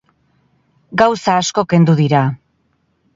Gauza asko kendu dira.